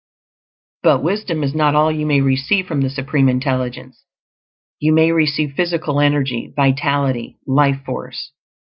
But wisdom is not all you may receive from the Supreme Intelligence; you may receive physical energy, vitality, life force.